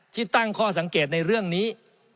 ที่ตั้งข้อสังเกตในเรื่องนี้